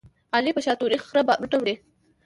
علي په شاتوري خره بارونه وړي.